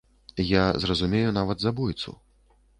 Я зразумею нават забойцу.